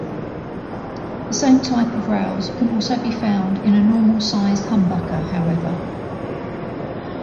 The same type of rails can also be found in a normal-size humbucker, however.